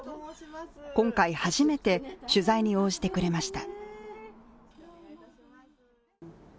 今回初めて取材に応じてくれました。